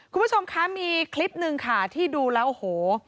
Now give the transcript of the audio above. คุณผู้ชมคะมีคลิปหนึ่งค่ะที่ดูแล้วโอ้โห